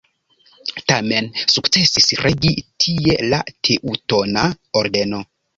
Tamen sukcesis regi tie la Teŭtona Ordeno.